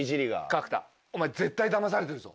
角田お前絶対だまされてるぞ。